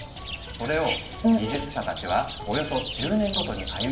それを技術者たちはおよそ１０年ごとに歩みを進め